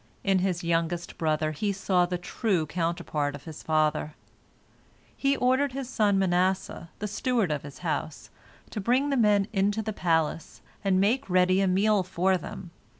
In his youngest brother he saw the true counterpart of his father. He ordered his son Manasseh, the steward of his house, to bring the men into the palace, and make ready a meal for them.